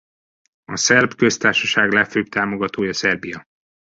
A Szerb Köztársaság legfőbb támogatója Szerbia.